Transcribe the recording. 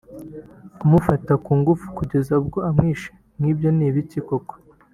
kumufata kungufu kugeza ubwo amwishe nkibyo n’ibiki koko